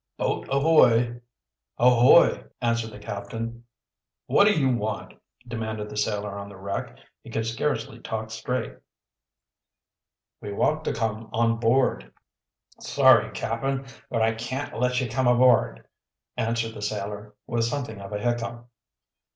"Boat ahoy!" "Ahoy!" answered the captain. "What do you want?" demanded the sailor on the wreck. He could scarcely talk straight. "We want to come on board." "Sorry, cap'n, but I can't let you come aboard," answered the sailor, with something of a hiccough.